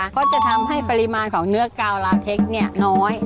ก็จะทำให้ปริมาณของเนื้อกาวลาเทคน้อย